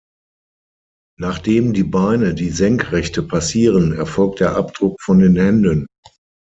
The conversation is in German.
Nachdem die Beine die Senkrechte passieren erfolgt der Abdruck von den Händen.